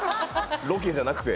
ロケじゃなくて？